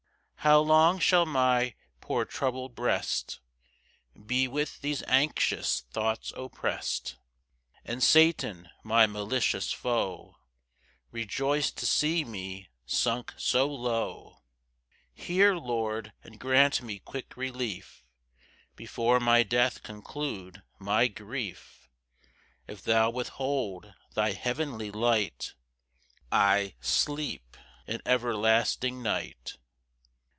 3 How long shall my poor troubled breast Be with these anxious thoughts opprest? And Satan, my malicious foe, Rejoice to see me sunk so low. 4 Hear, Lord, and grant me quick relief, Before my death conclude my grief; If thou withhold thy heavenly light, I sleep in everlasting night.